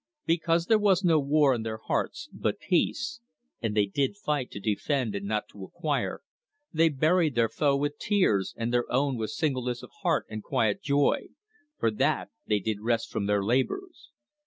Because there was no war in their hearts, but peace, and they did fight to defend and not to acquire, they buried their foe with tears and their own with singleness of heart and quiet joy, for that they did rest from their labours.